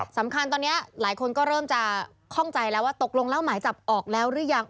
สำคัญตอนนี้หลายคนก็เริ่มจะคล่องใจแล้วว่าตกลงแล้วหมายจับออกแล้วหรือยัง